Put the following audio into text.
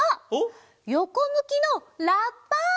あっよこむきのラッパ！